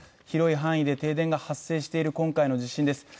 広い範囲で停電が発生している今回の地震です。